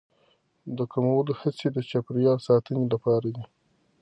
د کمولو هڅې د چاپیریال ساتنې لپاره دي.